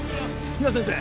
比奈先生